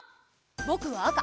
ぼくはあか。